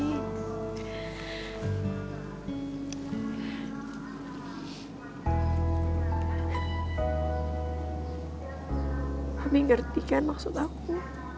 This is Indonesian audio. tapi pami ngerti kan maksud aku